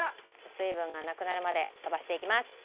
水分がなくなるまで飛ばしていきます。